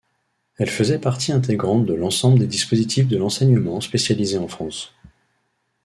Elles faisaient partie intégrante de l'ensemble des dispositifs de l'enseignement spécialisé en France.